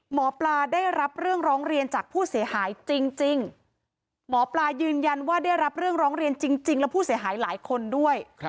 หมอปลาได้รับเรื่องร้องเรียนจากผู้เสียหายจริงหมอปลายืนยันว่าได้รับเรื่องร้องเรียนจริงและผู้เสียหายหลายคนด้วย